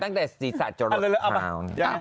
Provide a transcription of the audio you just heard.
ตั้งแต่ศีรษะจรดเท้า